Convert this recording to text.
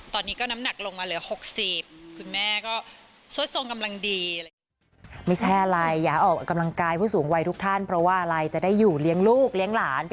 ตอนนี้ก็น้ำหนักลงมาเหลือ๖๐คุณแม่ก็สวยทรงกำลังดี